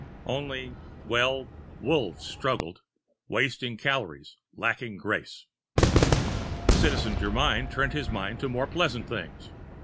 Only well, Wolves struggled, wasting calories, lacking grace. Citizen Germyn turned his mind to more pleasant things.